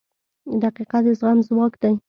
• دقیقه د زغم ځواک دی.